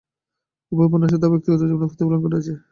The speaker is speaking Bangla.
উভয় উপন্যাসেই তার ব্যক্তিগত জীবনের প্রতিফলন ঘটেছে।